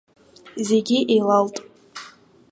Зегь еилалт.